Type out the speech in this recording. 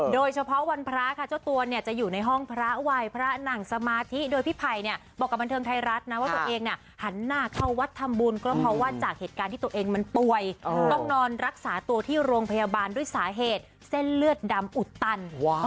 โดยเฉพาะวันพระค่ะเจ้าตัวเนี่ยจะอยู่ในห้องพระวัยพระนั่งสมาธิโดยพี่ไผ่เนี่ยบอกกับบันเทิงไทยรัฐนะว่าตัวเองเนี่ยหันหน้าเข้าวัดทำบุญก็เพราะว่าจากเหตุการณ์ที่ตัวเองมันป่วยต้องนอนรักษาตัวที่โรงพยาบาลด้วยสาเหตุเส้นเลือดดำอุดตัน